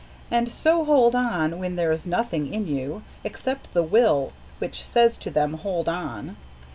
And so hold on when there is nothing in you Except the Will which says to them: 'Hold on!'